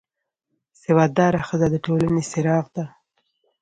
سواد داره ښځه د ټولنې څراغ ده